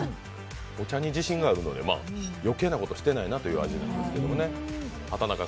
お茶に自信があるので、余計なことをしていないという味なんですね。